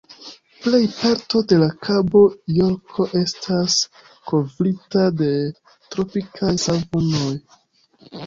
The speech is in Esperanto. Plej parto de la Kabo Jorko estas kovrita de tropikaj savanoj.